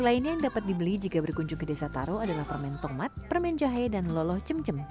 masa yang bisa di beli jika berkunjung ke desa taro adalah permen tomat permen jahe dan loloh cem cem